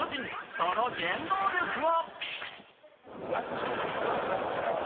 その原動力は。